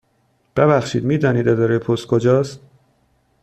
ببخشید، می دانید اداره پست کجا است؟